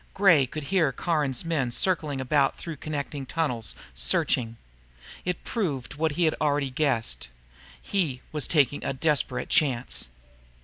Gray could hear Caron's men circling about through connecting tunnels, searching. It proved what he had already guessed. He was taking a desperate chance.